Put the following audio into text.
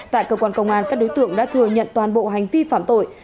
tại cơ quan công an các đối tượng đã thừa nhận toàn bộ hành vi phạm tội